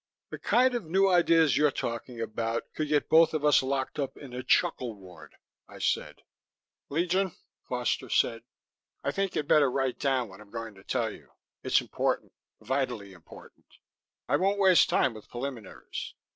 "The kind of new ideas you're talking about could get both of us locked up in the chuckle ward," I said. "Legion," Foster said, "I think you'd better write down what I'm going to tell you. It's important vitally important. I won't waste time with preliminaries.